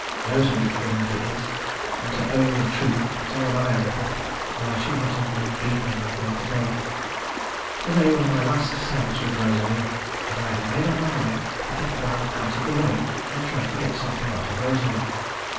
Rosalie evidently is, and to own the truth so am I a little, or I should not have been beaten in that way to day. To day was my last séance with Rosalie, and I had made up my mind to get the Baron out of the way, and try and get something out of Rosalie.